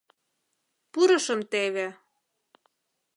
Пурышым теве.